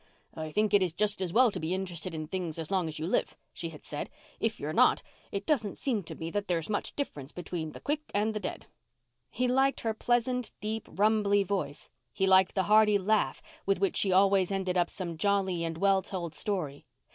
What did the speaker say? "I think it is just as well to be interested in things as long as you live," she had said. "If you're not, it doesn't seem to me that there's much difference between the quick and the dead." He liked her pleasant, deep, rumbly voice; he liked the hearty laugh with which she always ended up some jolly and well told story.